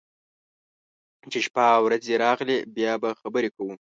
چې شپه او رځې راغلې، بیا به خبرې کوو.